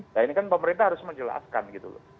nah ini kan pemerintah harus menjelaskan gitu loh